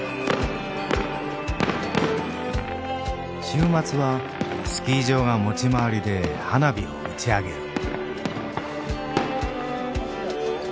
週末はスキー場が持ち回りで花火を打ち上げる。